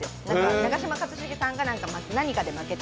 長嶋一茂さんが何かで負けて。